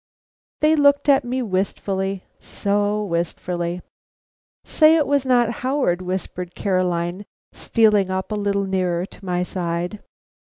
They looked at me wistfully, so wistfully. "Say it was not Howard," whispered Caroline, stealing up a little nearer to my side.